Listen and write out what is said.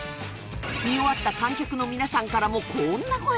見終わった観客の皆さんからもこんな声が！